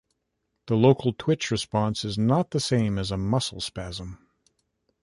The local twitch response is not the same as a muscle spasm.